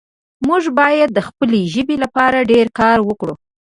موږ باید د خپلې ژبې لپاره ډېر کار وکړو